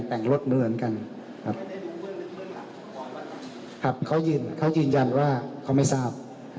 แต่งรถเหมือนกันครับครับเขายืนยันว่าเขาไม่ทราบ